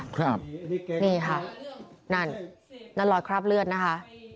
ครับนี่ค่ะนั่นนั่นรอยคราบเลือดนะคะ